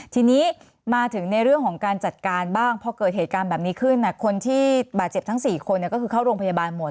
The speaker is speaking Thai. ทีนี้มาถึงในเรื่องของการจัดการบ้างพอเกิดเหตุการณ์แบบนี้ขึ้นคนที่บาดเจ็บทั้ง๔คนก็คือเข้าโรงพยาบาลหมด